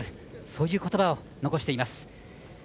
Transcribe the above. そういうことばを残しています。